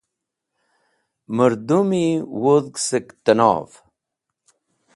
Mẽrdũmi wudhg sẽktenov ( online)